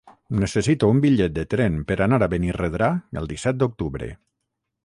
Necessito un bitllet de tren per anar a Benirredrà el disset d'octubre.